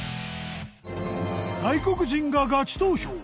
外国人がガチ投票！